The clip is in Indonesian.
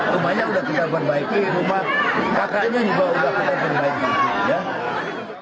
rumahnya sudah kita perbaiki rumah kakaknya juga sudah kita perbaiki